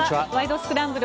スクランブル」